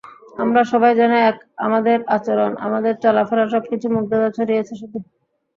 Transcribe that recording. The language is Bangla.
আমরা সবাই যেন এক, আমাদের আচরণ, আমাদের চলাফেরা সবকিছু মুগ্ধতা ছড়িয়েছে শুধু।